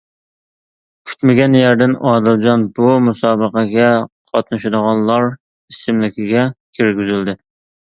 كۈتمىگەن يەردىن ئادىلجان بۇ مۇسابىقىگە قاتنىشىدىغانلار ئىسىملىكىگە كىرگۈزۈلدى.